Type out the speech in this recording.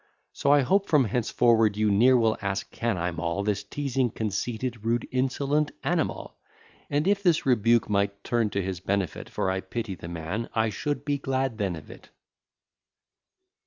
So I hope from henceforward you ne'er will ask, can I maul This teasing, conceited, rude, insolent animal? And, if this rebuke might turn to his benefit, (For I pity the man) I should be glad then of it.